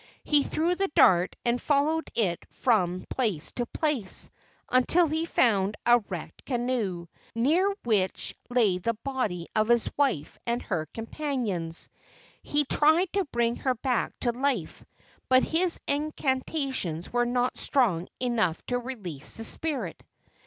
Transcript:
He threw the dart and followed it from place to place until he found a wrecked canoe, near which lay the body of his wife and her companions. He tried to bring her back to life, but his incantations were not strong enough to release the spirit.